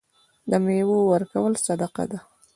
د میوو ورکول صدقه ده.